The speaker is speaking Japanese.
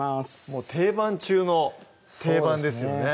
もう定番中の定番ですよね